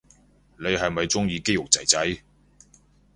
你係咪鍾意肌肉仔仔